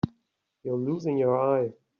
You're losing your eye.